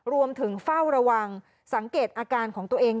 รวมถึงเฝ้าระวังสังเกตอาการของตัวเอง